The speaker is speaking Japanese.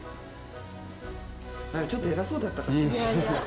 ちょっと偉そうだった？